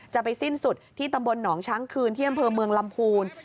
จะไปสิ้นสุดที่ตำบลหนองช้างคืนที่อำเภอเมืองลำพูน